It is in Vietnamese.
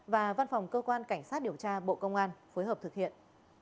và văn phòng cơ quan cảnh sát điều tra bộ công an phối hợp thực hiện